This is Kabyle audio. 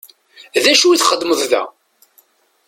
D acu i txeddmeḍ da?